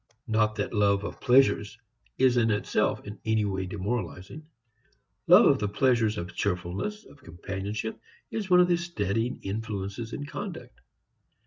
Not that love of pleasures is in itself in any way demoralizing. Love of the pleasures of cheerfulness, of companionship is one of the steadying influences in conduct.